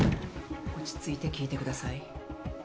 落ち着いて聞いてください。